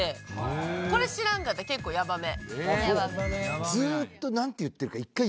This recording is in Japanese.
これ知らんかったら結構ヤバめ。